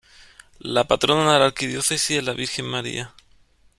La patrona de la arquidiócesis es la Virgen María.